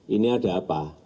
ini ada apa